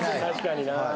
確かにな